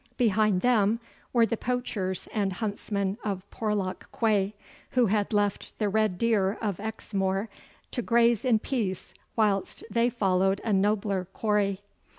Behind them were the poachers and huntsmen of Porlock Quay, who had left the red deer of Exmoor to graze in peace whilst they followed a nobler quarry.